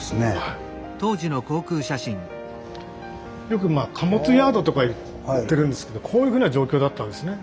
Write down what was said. よく貨物ヤードとか言ってるんですけどこういうふうな状況だったんですね